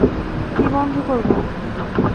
কী বন্ধ করবো?